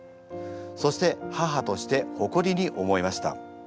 そして母として誇りに思いました。